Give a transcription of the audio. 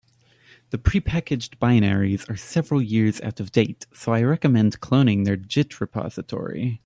The prepackaged binaries are several years out of date, so I recommend cloning their git repository.